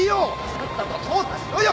さっさと捜査しろよ。